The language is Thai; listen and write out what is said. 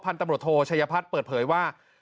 พันธุ์ตำรวจโทรชัยพัฒน์เปิดเผยว่า